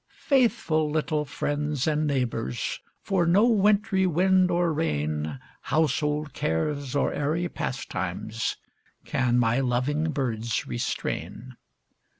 Faithful little friends and neighbors, For no wintry wind or rain, Household cares or airy pastimes, Can my loving birds restrain.